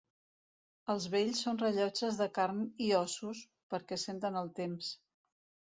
Els vells són rellotges de carn i ossos, perquè senten el temps.